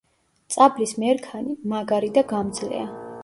წაბლის მერქანი მაგარი და გამძლეა.